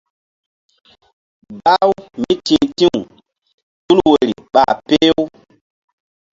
Bah-u míti̧h ti̧w tul woyri ɓa peh-u.